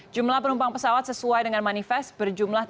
jumlah penumpang pesawat sesuai dengan manifest berjumlah tiga ratus